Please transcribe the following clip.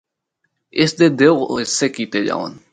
اس دے دو حصے کیتے جاون۔